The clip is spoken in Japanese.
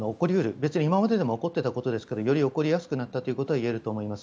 別に今まででも起こっていたことですからより起こりやすくなったということが言えると思います。